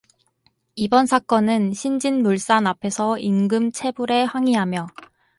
이번 사건은 신진물산 앞에서 임금 체불에 항의하며...